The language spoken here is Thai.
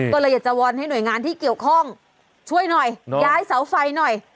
ตลยะเจาะวรให้หน่วยงานที่เกี่ยวข้องช่วยหน่อยย้ายสาวไฟหน่อย